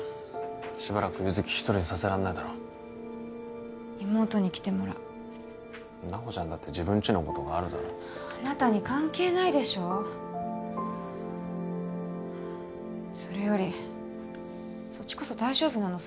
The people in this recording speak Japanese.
しばらく優月一人にさせられないだろ妹に来てもらう菜穂ちゃんだって自分ちのことがあるだろあなたに関係ないでしょそれよりそっちこそ大丈夫なの？